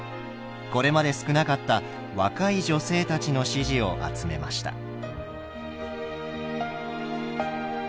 これまで少なかった若い女性たちの支持を集めました。